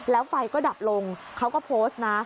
แล้วไฟก็ดับลงเขาก็โพสต์นะ